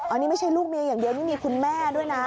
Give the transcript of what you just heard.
อันนี้ไม่ใช่ลูกเมียอย่างเดียวนี่มีคุณแม่ด้วยนะ